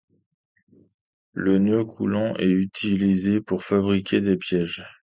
Le nœud coulant est utilisé pour fabriquer des pièges.